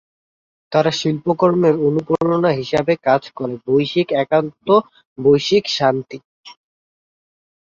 তার শিল্পকর্মের অনুপ্রেরণা হিসেবে কাজ করে বৈশ্বিক একাত্মতা ও বৈশ্বিক শান্তি।